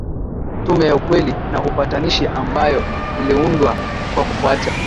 Tume ya ukweli na upatanishi ambayo iliundwa kwa kufuata